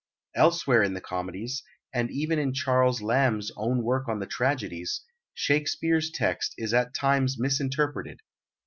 Elsewhere in the comedies, and even in Charles Lamb's own work on the tragedies, Shakespeare's text is at times misinterpreted.